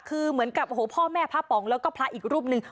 คือเหมือนกับโอ้โหพ่อแม่พระป๋องแล้วก็พระอีกรูปหนึ่ง